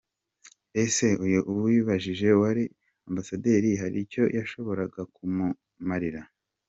Ese uyu Uwibajije wari ambasaderi hari icyo yashoboraga kumumarira?